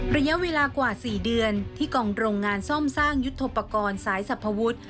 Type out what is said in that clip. ระยะเวลากว่า๔เดือนที่กองโรงงานซ่อมสร้างยุทธโปรกรณ์สายสรรพวุฒิ